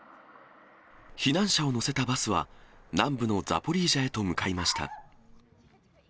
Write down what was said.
避難者を乗せたバスは、南部のザポリージャへと向かいました。